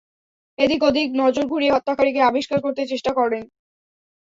এদিক-ওদিক নজর ঘুরিয়ে হত্যাকারীকে আবিষ্কার করতে চেষ্টা করেন।